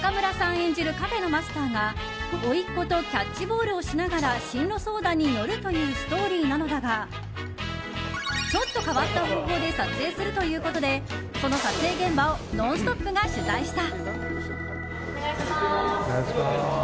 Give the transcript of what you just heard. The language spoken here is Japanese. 演じるカフェのマスターがおいっ子とキャッチボールをしながら進路相談に乗るというストーリーなのだがちょっと変わった方法で撮影するということでその撮影現場を「ノンストップ！」が取材した。